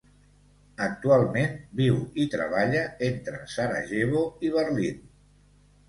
Actualment viu i treballa entre Sarajevo i Berlín.